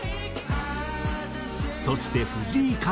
そして藤井風。